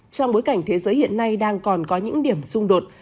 trong bối cảnh thế giới hiện nay đang còn có những điểm xung đột